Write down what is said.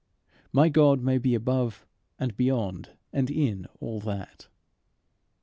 My God may be above and beyond and in all that.